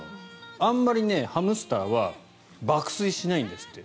あんまりハムスターは爆睡しないんですって。